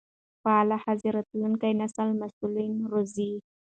فعاله ښځې راتلونکی نسل مسؤلانه روزي.